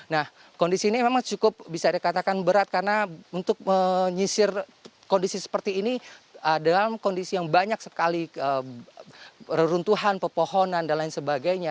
nah kondisi ini memang cukup bisa dikatakan berat karena untuk menyisir kondisi seperti ini dalam kondisi yang banyak sekali reruntuhan pepohonan dan lain sebagainya